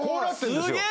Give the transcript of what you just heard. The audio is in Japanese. すげえ